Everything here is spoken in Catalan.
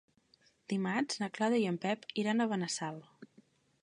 Dimarts na Clàudia i en Pep iran a Benassal.